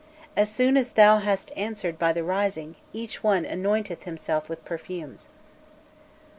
As soon as thou hast answered by the rising, each one anointeth himself with perfumes.